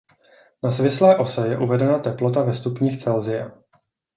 Na svislé ose je uvedena teplota ve stupních Celsia.